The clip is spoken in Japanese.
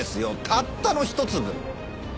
たったのひと粒。